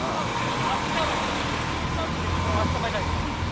もうあしたはレフトスタンドでちょっと待ち構えたいと思います。